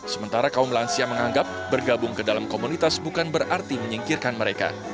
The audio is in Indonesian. sementara kaum lansia menganggap bergabung ke dalam komunitas bukan berarti menyingkirkan mereka